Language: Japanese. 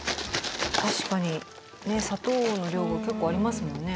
確かに砂糖の量が結構ありますもんね。